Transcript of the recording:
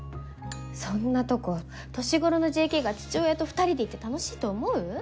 そんなとこ年頃のＪＫが父親と２人で行って楽しいと思う？